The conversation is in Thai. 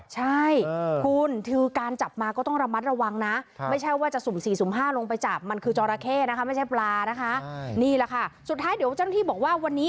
ใช่คุณถือการจับมาก็ต้องระมัดระวังนะ